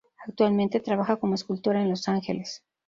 Actualmente, trabaja como escultora en Los Ángeles.